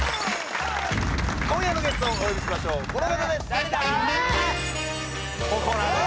今夜のゲストをお呼びしましょうこの方です